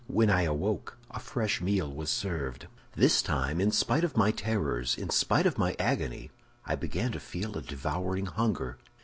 "When I awoke, a fresh meal was served. "This time, in spite of my terrors, in spite of my agony, I began to feel a devouring hunger.